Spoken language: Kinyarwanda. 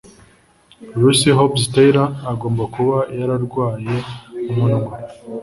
Lucy Hobbs Taylor agomba kuba yararwaye umunwa